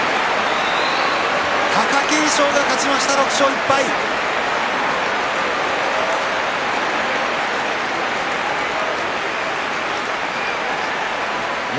貴景勝が勝ちました６勝１敗。